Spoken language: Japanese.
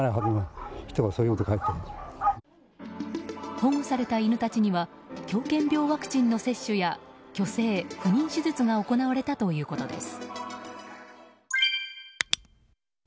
保護された犬たちには狂犬病ワクチンの接種や去勢・不妊手術が行われたということです。